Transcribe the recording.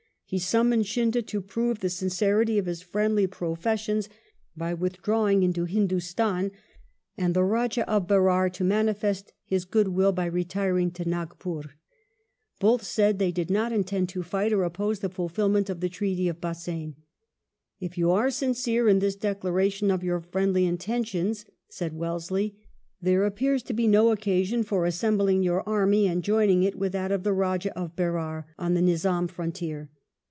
He summoned Scindia to prove the sincerity of his friendly professions by withdrawing 70. WELLINGTON chap. into Hindustan, and the Eajah of Berar to manifest his goodwill by retiring to Nagpore. Both said they did not intend to fight or oppose the fulfilment of the treaty of Bassein. "If you are sincere in this declaration of your friendly intentions," said Wellesley, " there appears to be no occasion for assembling your army and joining it with that of the Eajah of Berar, on the Nizam's frontier."